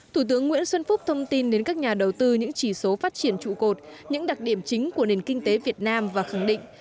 thủ tướng nguyễn xuân phúc thông tin đến các nhà đầu tư những chỉ số phát triển trụ cột những đặc điểm chính của nền kinh tế việt nam và khẳng định